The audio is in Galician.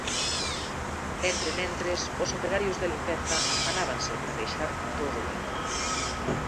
Entrementres, os operarios de limpeza afanábanse para deixar todo limpo.